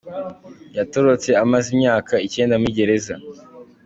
Yatorotse amaze imyaka icyenda muri gereza.